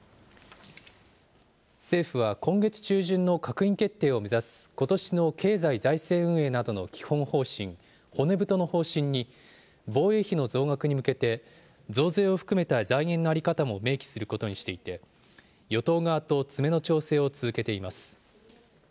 政府は今月中旬の閣議決定を目指すことしの経済財政運営などの基本方針、骨太の方針に、防衛費の増額に向けて、増税を含めた財源の在り方も明記することにしていて、与党側と詰めの調整を続けています。